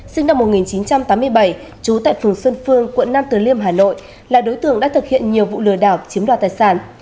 sinh năm một nghìn chín trăm tám mươi bảy trú tại phường xuân phương quận nam từ liêm hà nội là đối tượng đã thực hiện nhiều vụ lừa đảo chiếm đoạt tài sản